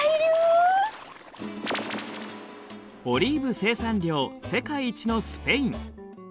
オリーブ生産量世界一のスペイン。